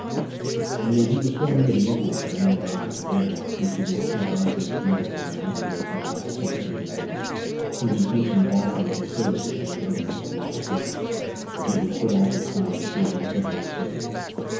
When he was thrown under the influence of Anne's eyes again, which were more tantalizingly beautiful than ever just now (so it seemed to him), his intention of offering his services to the Government would wax weaker, and he would put off his final decision till the next day.